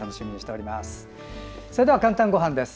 それでは「かんたんごはん」です。